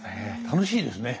楽しいですね。